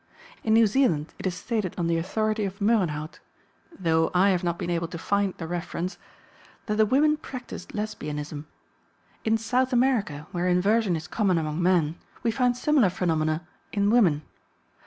In New Zealand it is stated on the authority of Moerenhout (though I have not been able to find the reference) that the women practised Lesbianism. In South America, where inversion is common among men, we find similar phenomena in women.